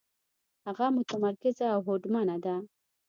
هغه متمرکزه او هوډمنه ده.